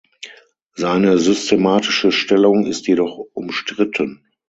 Seine systematische Stellung ist jedoch umstritten.